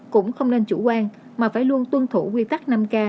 cũng không nên chủ quan mà phải luôn tuân thủ quy tắc năm k